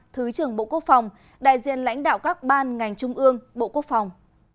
thứ trưởng bộ quốc phòng đại diện lãnh đạo các ban ngành trung ương bộ quốc phòng